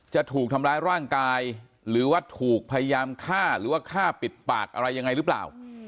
จะถูกทำร้ายร่างกายหรือว่าถูกพยายามฆ่าหรือว่าฆ่าปิดปากอะไรยังไงหรือเปล่า